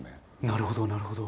なるほどなるほど。